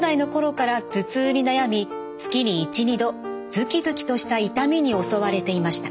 ズキズキとした痛みに襲われていました。